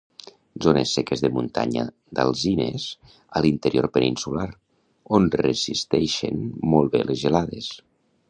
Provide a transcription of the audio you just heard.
Zones seques de muntanyes d'alzines a l'interior peninsular, on resisteixen molt bé les gelades.